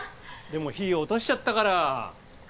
でも火落としちゃったから。